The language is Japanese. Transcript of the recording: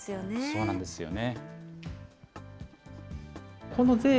そうなんですよね。